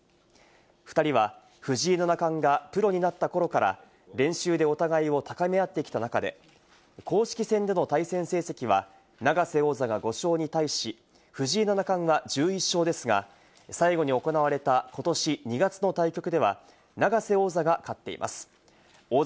２人は藤井七冠がプロになった頃から練習でお互いを高め合ってきた仲で、公式戦での対戦成績は永瀬王座が５勝に対し、藤井七冠は１１勝ですが、最後に行われたことし２月の対局では、永瀬王座が勝っています。